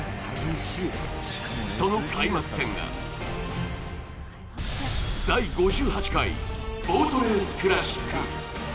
その開幕戦が第５８回ボートレースクラシック。